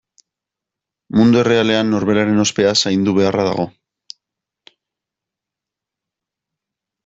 Mundu errealean norberaren ospea zaindu beharra dago.